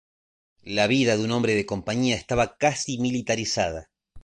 La vida de un hombre de compañía estaba casi militarizada.